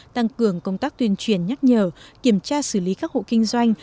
tăng cường công tác tuyên truyền nhắc nhở kiểm tra xử lý các hộ kinh doanh